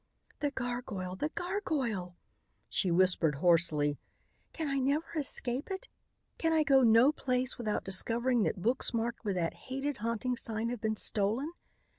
"The gargoyle! The gargoyle!" she whispered hoarsely. "Can I never escape it? Can I go no place without discovering that books marked with that hated, haunting sign have been stolen?